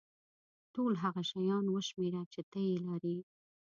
ټول هغه شیان وشمېره چې ته یې لرې.